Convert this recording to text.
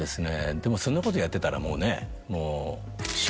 でもそんなことやってたらもうねもう。